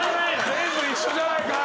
全部一緒じゃないか！